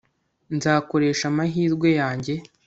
nzakoresha amahirwe yanjye